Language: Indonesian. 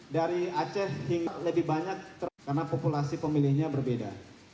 dari aceh hingga lebih banyak karena populasi pemilihnya berbeda